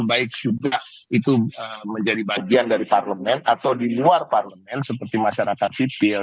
baik sudah itu menjadi bagian dari parlemen atau di luar parlemen seperti masyarakat sipil